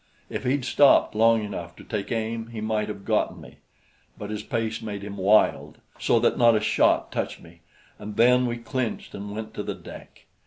If he'd stopped long enough to take aim, he might have gotten me; but his pace made him wild, so that not a shot touched me, and then we clinched and went to the deck.